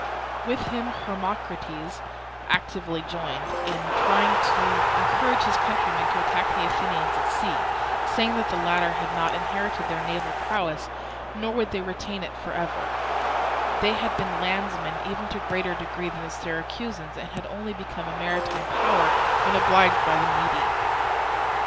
With him Hermocrates actively joined in trying to encourage his countrymen to attack the Athenians at sea, saying that the latter had not inherited their naval prowess nor would they retain it for ever; they had been landsmen even to a greater degree than the Syracusans, and had only become a maritime power when obliged by the Mede.